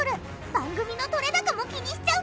番組の撮れ高も気にしちゃうかも？